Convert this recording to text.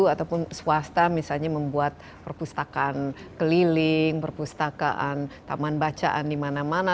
ataupun swasta misalnya membuat perpustakaan keliling perpustakaan taman bacaan di mana mana